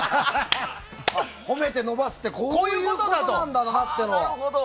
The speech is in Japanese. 褒めて伸ばすってこういうことなんだなと。